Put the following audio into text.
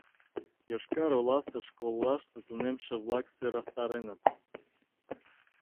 Йошкар-Оласе школлаште тунемше-влак сӧрастареныт